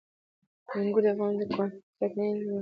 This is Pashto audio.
انګور د افغانانو د ګټورتیا او ټولنیز ژوند برخه ده.